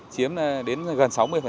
chiếm đến gần sáu mươi